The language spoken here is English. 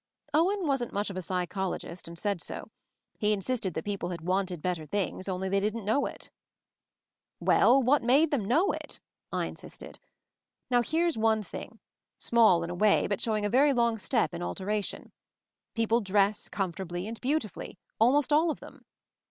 Owen wasn't much of a psychologist, and said so. He insisted that people had wanted better things, only they did not know it. "Well — what made them know it?" I in sisted. "Now here's one thing, small in a way, but showing a very long step in alter tion; people dress comfortably and beauti fully ; almost all of them.